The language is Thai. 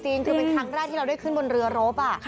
มันเป็นทั้งแรกที่เราได้ขึ้นบนเรือรบ